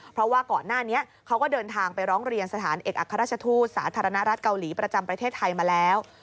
เพราะว่าก่อนหน้านี้เขาก็เดินทางไปร้องเรียนสถานเอกอัครราชทูตสาธารณรัฐเกาหลีประจำประเทศไทยมาแล้ว